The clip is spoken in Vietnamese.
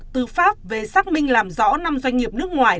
tư pháp về xác minh làm rõ năm doanh nghiệp nước ngoài